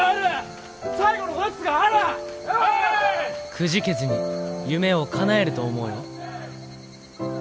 「くじけずに夢をかなえると思うよ」。